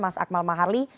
dan juga pak akmal mahali